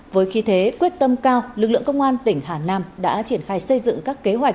với khí thế quyết tâm cao lực lượng công an tỉnh hà nam đã triển khai xây dựng các kế hoạch